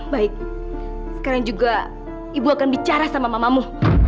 baik sekarang juga ibu akan bicara sama mamamu